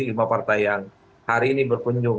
lima partai yang hari ini berkunjung